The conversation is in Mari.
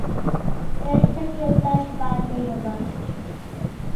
Тыштак йолташ вате ила.